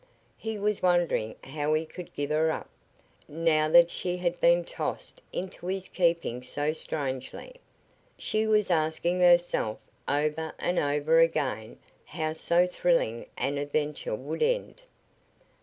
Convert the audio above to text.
He was wondering how he could give her up, now that she had been tossed into his keeping so strangely. She was asking herself over and over again how so thrilling an adventure would end.